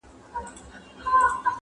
حجره د پښتنو ده څوک به ځي څوک به راځي،